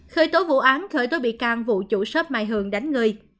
khởi tố vụ án khởi tố bị can vụ chủ shp mai hường đánh người